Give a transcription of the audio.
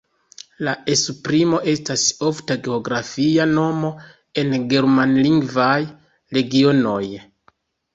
La esprimo estas ofta geografia nomo en germanlingvaj regionoj.